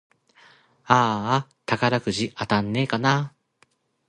あーあ、宝くじ当たんねぇかな